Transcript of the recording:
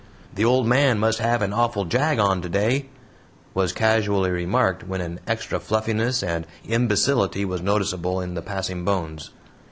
"The old man must have an awful jag on today," was casually remarked when an extra fluffiness and imbecility was noticeable in the passing Bones.